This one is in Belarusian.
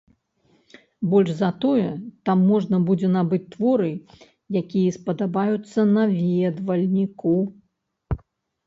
Больш за тое, там можна будзе набыць творы, якія спадабаюцца наведвальніку.